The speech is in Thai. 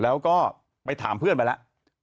แล้วก็ไปถามเพื่อนมาแล้ว